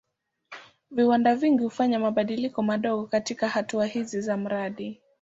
Viwanda vingi hufanya mabadiliko madogo katika hatua hizi za mradi.